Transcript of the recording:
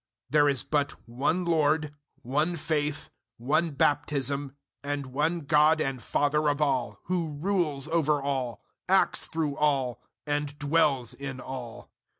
004:005 There is but one Lord, one faith, one baptism, 004:006 and one God and Father of all, who rules over all, acts through all, and dwells in all.